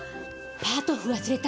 パート譜忘れた。